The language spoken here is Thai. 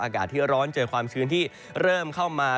อากาศที่ร้อนเจอความชื้นที่เริ่มเข้ามา